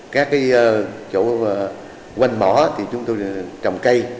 các chỗ quanh mỏ thì chúng tôi trồng cây